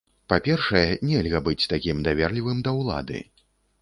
Па-першае, нельга быць такім даверлівым да ўлады.